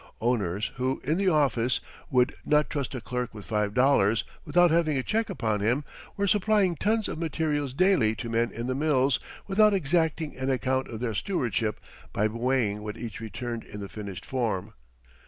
Owners who, in the office, would not trust a clerk with five dollars without having a check upon him, were supplying tons of material daily to men in the mills without exacting an account of their stewardship by weighing what each returned in the finished form.